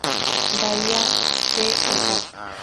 Bahía de Osaka